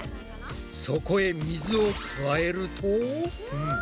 そこへ水を加えると。